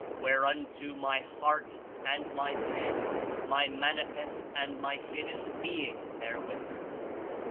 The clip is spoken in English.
Whereunto My Heart and My Pen, My Manifest and My Hidden (Being) bear witness.